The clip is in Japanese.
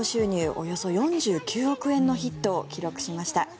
およそ４９億円のヒットを記録しました。